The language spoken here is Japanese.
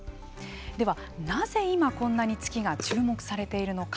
では、なぜ今こんなに月が注目されているのか。